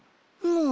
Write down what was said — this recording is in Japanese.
うん！